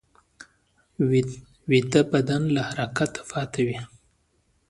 ویده بدن له حرکته پاتې وي